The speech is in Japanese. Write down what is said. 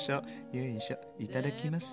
よいしょいただきます。